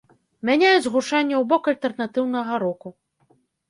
Мяняюць гучанне ў бок альтэрнатыўнага року.